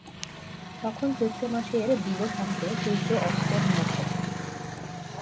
তখন চৈত্রমাসের দিবসান্তে সূর্য অস্তোন্মুখ।